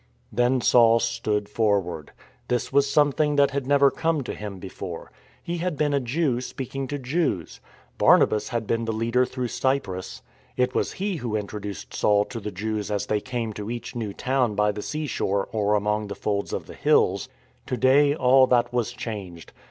Then Saul stood forward. This was something that had never come to him before. He had been a Jew speaking to Jews. Barnabas had been the leader through Cyprus. It was he who introduced Saul to the Jews as they came to each new town by the sea shore or among the folds of the hills. To day all that was changed.